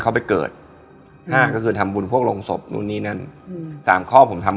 ชั้มมีห้องน้ำ